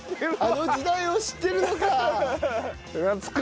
あの時代を知ってるのか。